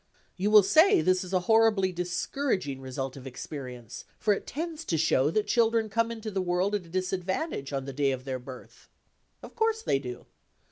You will say this is a horribly discouraging result of experience, for it tends to show that children come into the world at a disadvantage on the day of their birth. Of course they do.